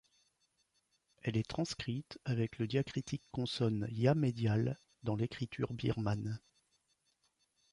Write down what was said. Elle est transcrite avec le diacritique consonne ya médial dans l’écriture birmane.